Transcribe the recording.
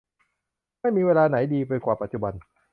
ไม่มีเวลาไหนดีไปกว่าปัจจุบัน